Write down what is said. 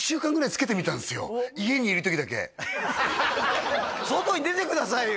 家でね外に出てくださいよ！